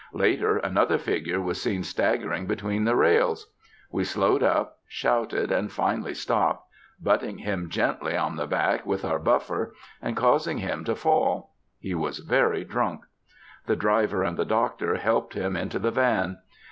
Later, another figure was seen staggering between the rails. We slowed up, shouted, and finally stopped, butting him gently on the back with our buffers, and causing him to fall. He was very drunk. The driver and the doctor helped him into the van.